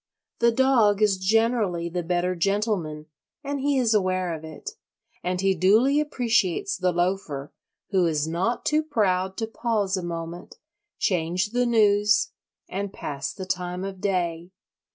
The dog is generally the better gentleman, and he is aware of it; and he duly appreciates the loafer, who is not too proud to pause a moment, change the news, and pass the time of day.